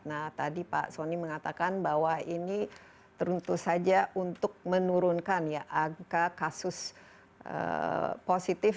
nah tadi pak soni mengatakan bahwa ini teruntus saja untuk menurunkan ya angka kasus positif